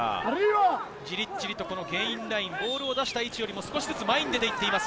じりじりとゲインライン、ボールを出した位置よりも少しずつ前に出て行きます。